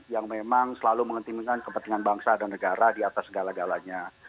yang memang selalu mengentimingkan kepentingan bangsa dan negara di atas segala galanya